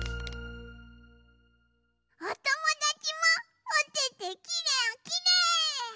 おともだちもおててきれいきれい！